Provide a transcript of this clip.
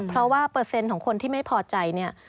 เพราะว่าเปอร์เซ็นต์ของคนที่ไม่พอใจเนี่ย